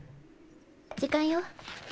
時間よ。